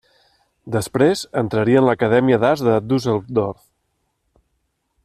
Després, entraria en l'Acadèmia d'Arts de Düsseldorf.